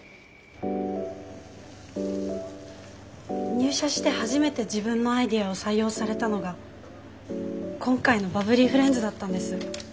入社して初めて自分のアイデアを採用されたのが今回のバブリーフレンズだったんです。